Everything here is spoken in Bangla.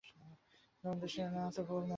তোদের দেশে না আছে ভোগ, না আছে যোগ।